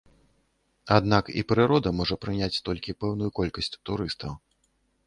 Аднак і прырода можа прыняць толькі пэўную колькасць турыстаў.